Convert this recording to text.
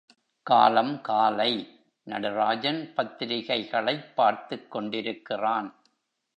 காலம் காலை நடராஜன் பத்திரிகைகளைப் பார்த்துக் கொண்டிருக்கிறான்.